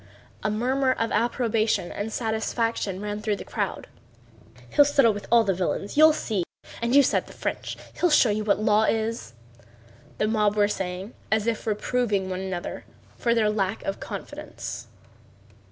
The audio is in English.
A murmur of approbation and satisfaction ran through the crowd. "He'll settle with all the villains, you'll see! And you said the French... He'll show you what law is!" the mob were saying as if reproving one another for their lack of confidence.